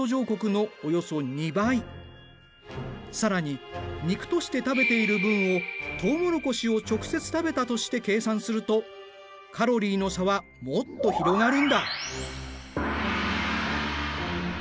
更に肉として食べている分をとうもろこしを直接食べたとして計算するとカロリーの差はもっと広がるんだ。